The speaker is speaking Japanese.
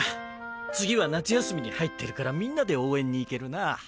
次は夏休みに入ってるからみんなで応援に行けるな。